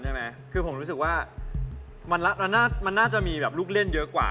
ถ้าชิ้นเท่ากันใช่ไหมคือผมรู้สึกว่ามันน่าจะมีลูกเล่นเยอะกว่า